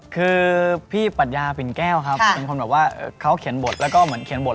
คือพี่ปัญญาปิ่นแก้วครับเป็นคนแบบว่าเขาเขียนบทแล้วก็เหมือนเขียนบท